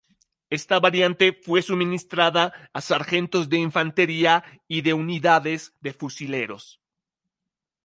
Esta variante fue suministrada a sargentos de Infantería y de unidades de fusileros.